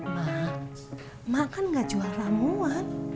ma ma kan gak jual ramuan